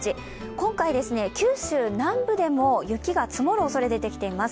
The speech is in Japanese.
今回、九州南部でも雪が積もるおそれがあります。